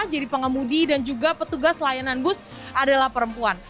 jadi pengemudi dan juga petugas layanan bus adalah perempuan